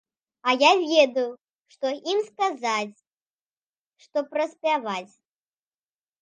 А я ведаю, што ім сказаць, што праспяваць.